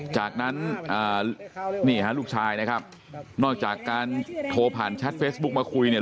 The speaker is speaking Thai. จากนั้นนี่ฮะลูกชายนะครับนอกจากการโทรผ่านแชทเฟซบุ๊กมาคุยเนี่ย